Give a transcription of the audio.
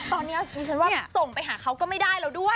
ตอนนี้ดิฉันว่าส่งไปหาเขาก็ไม่ได้แล้วด้วย